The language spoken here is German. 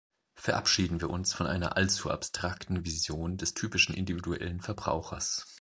Verabschieden wir uns von einer allzu abstrakten Vision des typischen individuellen Verbrauchers.